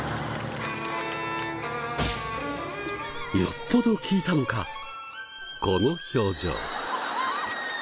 よっぽど効いたのかこの表情。